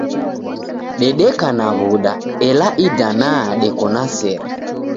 Dedeka na w'uda, ela idana deko na sere.